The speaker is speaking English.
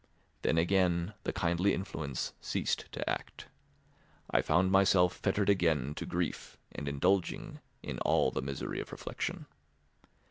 Then again the kindly influence ceased to act—I found myself fettered again to grief and indulging in all the misery of reflection.